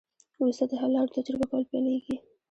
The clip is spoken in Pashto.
وروسته د حل لارو تجربه کول پیلیږي.